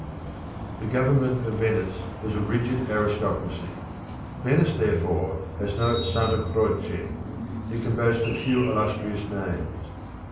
The government of Venice was a rigid aristocracy. Venice therefore has no Santa Croce; it can boast of few illustrious names.